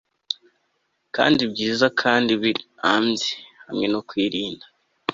Kandi byiza kandi birabye hamwe no kwirinda